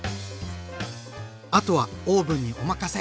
あとはオーブンにお任せ。